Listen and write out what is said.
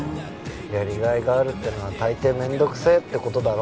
やりがいがあるってのは大抵面倒くせえって事だろ。